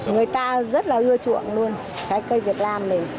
người ta rất là ưa chuộng luôn trái cây việt nam này